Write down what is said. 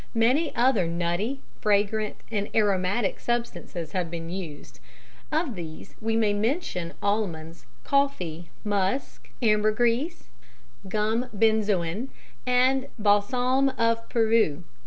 Many other nutty, fragrant and aromatic substances have been used; of these we may mention almonds, coffee, musk, ambergris, gum benzoin and balsam of Peru.